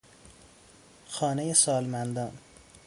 خانهی سالمندان